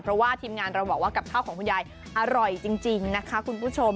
เพราะว่าทีมงานเราบอกว่ากับข้าวของคุณยายอร่อยจริงนะคะคุณผู้ชม